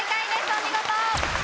お見事。